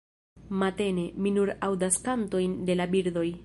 Matene, mi nur aŭdas kantojn de la birdoj.